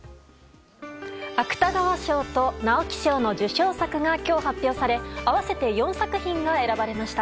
芥川賞と直木賞の受賞作が今日発表され合わせて４作品が選ばれました。